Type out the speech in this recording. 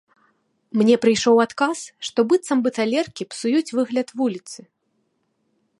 Мне прыйшоў адказ, што быццам бы талеркі псуюць выгляд вуліцы.